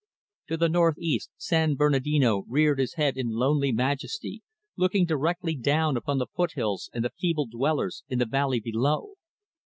To the northeast, San Bernardino reared his head in lonely majesty looking directly down upon the foothills and the feeble dwellers in the valley below.